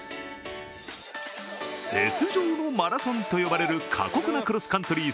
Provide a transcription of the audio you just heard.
雪上のマラソンと呼ばれる過酷なクロスカントリー